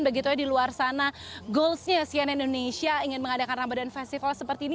begitunya di luar sana goals nya siarai indonesia ingin mengadakan ramadhan festival seperti ini